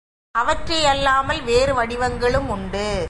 அவற்றையல்லாமல் வேறு வடிவங்களும் உண்டு.